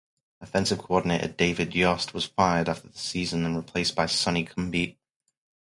Offensive coordinator David Yost was fired after the season and replaced by Sonny Cumbie.